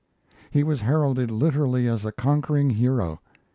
He was heralded literally as a conquering hero.